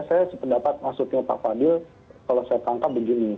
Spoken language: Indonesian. saya sependapat maksudnya pak fadil kalau saya tangkap begini